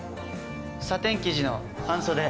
サテン生地の半袖。